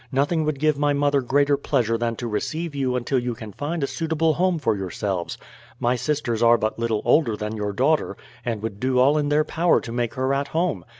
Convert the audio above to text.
Nothing would give my mother greater pleasure than to receive you until you can find a suitable home for yourselves. My sisters are but little older than your daughter, and would do all in their power to make her at home.